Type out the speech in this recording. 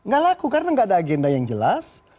gak laku karena nggak ada agenda yang jelas